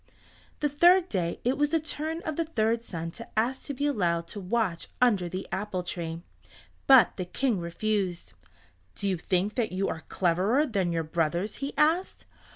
The third day it was the turn of the third son to ask to be allowed to watch under the apple tree. But the King refused. "Do you think that you are cleverer than your brothers?" he asked.